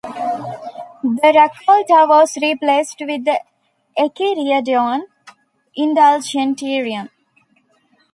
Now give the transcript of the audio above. The "Raccolta" was replaced with the "Enchiridion Indulgentiarum".